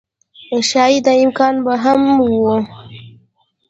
ښايي دا امکان به هم و